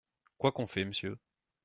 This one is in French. Quoi qu’on fait, monsieur ?